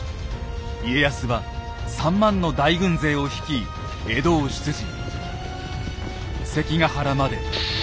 家康は３万の大軍勢を率い江戸を出陣。